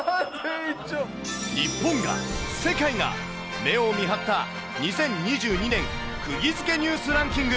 日本が、世界が、目を見張った２０２２年くぎづけニュースランキング。